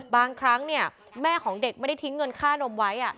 บางครั้งแม่ของเด็กไม่ได้ทิ้งเงินค่านมไว้